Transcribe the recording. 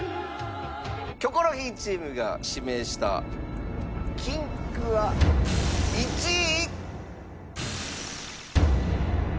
キョコロヒーチームが指名した『禁区』は１位。